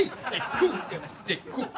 こうじゃなくてこう！